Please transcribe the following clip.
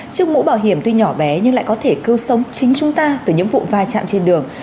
chiếc mũ bảo hiểm tuy nhỏ bé nhưng lại có thể cưu sống chính chúng ta từ những vụ vai trạm trên đường